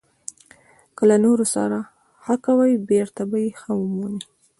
• که له نورو سره ښه کوې، بېرته به یې ښه ومومې.